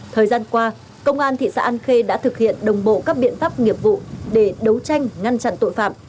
thời gian qua công an thị xã an khê đã thực hiện đồng bộ các biện pháp nghiệp vụ để đấu tranh ngăn chặn tội phạm